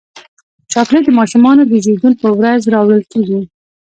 چاکلېټ د ماشومانو د زیږون پر ورځ راوړل کېږي.